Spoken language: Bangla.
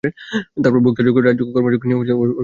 তারপর ভক্তিযোগ, রাজযোগ, কর্মযোগ নিয়েও ঐভাবে সাধন কর।